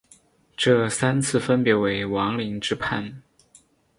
这三次分别为王凌之叛。